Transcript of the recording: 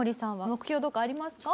目標とかありますか？